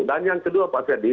dan yang kedua pak ferdin